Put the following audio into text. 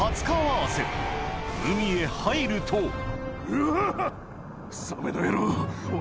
海へ入るとうわ！